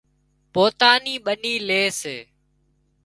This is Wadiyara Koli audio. پوتان نِي ٻنِي لي سي